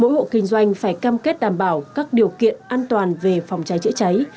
mỗi hộ kinh doanh phải cam kết đảm bảo các điều kiện an toàn về phòng cháy chữa cháy